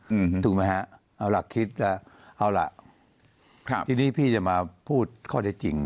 อืมถูกไหมฮะเอาหลักคิดว่าเอาล่ะครับทีนี้พี่จะมาพูดข้อเท็จจริง